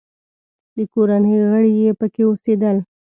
د کورنۍ غړي یې پکې اوسېدل.